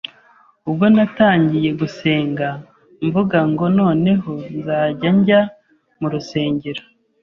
ubwo natangiye gusenga mvuga ngo noneho nzajya njya mu rusengero,